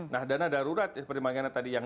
nah dana darurat yang